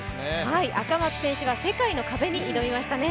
赤松選手が世界の壁に挑みましたね。